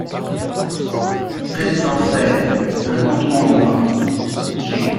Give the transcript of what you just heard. sept cent seize), un conte hongrois (G.